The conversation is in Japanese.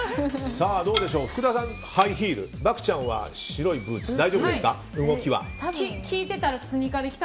どうでしょう福田さんはハイヒール漠ちゃんは白いブーツ大丈夫ですか、動きは。